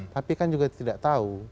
tapi kan juga tidak tahu